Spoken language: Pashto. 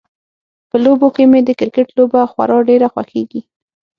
په لوبو کې مې د کرکټ لوبه خورا ډیره خوښیږي